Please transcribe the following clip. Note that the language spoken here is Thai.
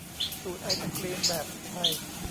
สูตรไอศกรีมแบบไทย